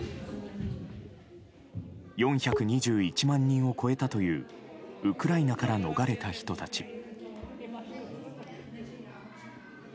４２１万人を超えたというウクライナから逃れた人たち。